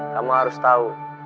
kamu harus tau